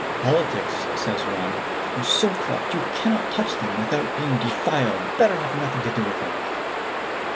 "Politics," says one, "are so corrupt you cannot touch them without being defiled; better have nothing to do with them."